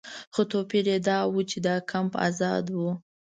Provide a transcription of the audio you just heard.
خو توپیر یې دا و چې دا کمپ آزاد و.